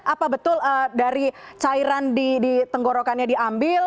apa betul dari cairan di tenggorokannya diambil